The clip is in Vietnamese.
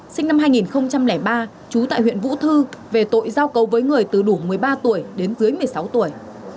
sinh năm hai nghìn ba trú tại huyện vũ thư về tội giao cấu với người từ đủ một mươi ba tuổi đến dưới một mươi sáu tuổi